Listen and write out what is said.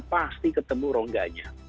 pasti ketemu rongganya